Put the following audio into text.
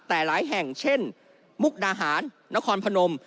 แต่หลายแห่งเช่นมุกดาหารนครพนม